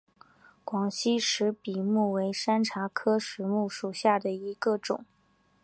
广西石笔木为山茶科石笔木属下的一个种。